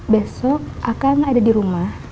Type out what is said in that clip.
besok akan ada di rumah